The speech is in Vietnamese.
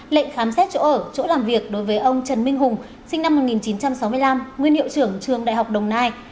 lệnh khám xét chỗ ở chỗ làm việc đối với ông trần minh hùng sinh năm một nghìn chín trăm sáu mươi năm nguyên hiệu trưởng trường đại học đồng nai